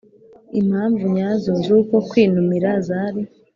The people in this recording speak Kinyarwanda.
impamvu nyazo z'uko kwinumira zari